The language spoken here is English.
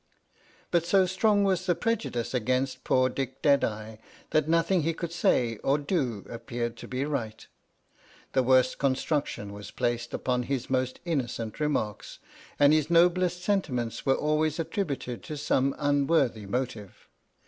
But so strong was the prejudice against poor Dick Deadeye, that nothing he could say or do appeared to be right. The worst construction was placed upon his most innocent re marks, and his noblest sentiments were always at tributed to some unworthy motive.